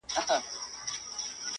چي ستا گېډي او بچیو ته په کار وي.!